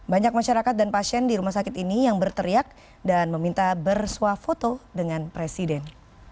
banyak masyarakat dan pasien di rumah sakit ini yang berteriak dan meminta bersuah foto dengan presiden